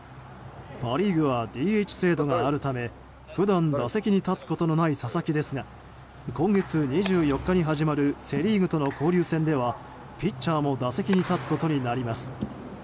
パ・リーグはＤＨ制度があるため普段、打席に立つことのない佐々木ですが今月２４日に始まるセ・リーグとの交流戦ではピッチャーも打席に立つことになります。